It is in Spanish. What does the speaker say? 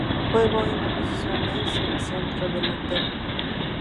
Jugó en la posición de centrodelantero.